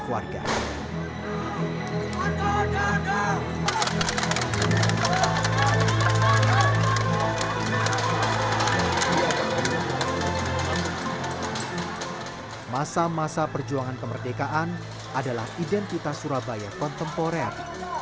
masa masa perjuangan kemerdekaan adalah identitas surabaya kontemporer